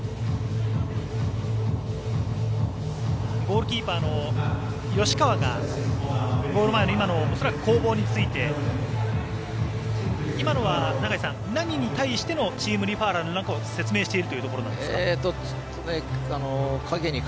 ゴールキーパーの吉川が恐らくゴール前の今の攻防について今のは永井さん、何に対してのチームリファーラルなのかを説明しているというところなんですか？